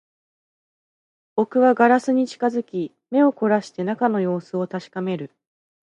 僕はガラスに近づき、目を凝らして中の様子を確かめる